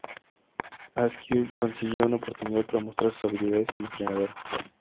Askew consiguió una oportunidad para mostrar sus habilidades como entrenador.